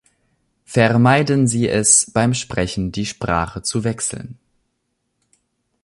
Vermeiden Sie es, beim Sprechen die Sprache zu wechseln.